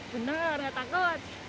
bener gak takut